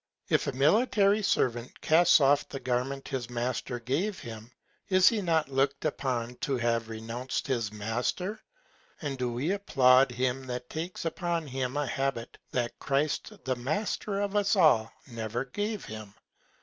If a military Servant casts off the Garment his Master gave him, is he not look'd upon to have renounc'd his Master? And do we applaud him that takes upon him a Habit that Christ the Master of us all never gave him?